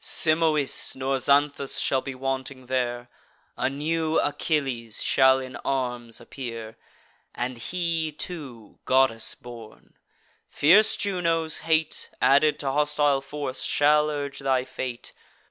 Simois nor Xanthus shall be wanting there: A new Achilles shall in arms appear, And he, too, goddess born. Fierce Juno's hate, Added to hostile force, shall urge thy fate.